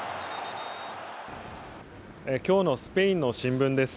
今日のスペインの新聞です。